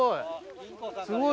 すごい！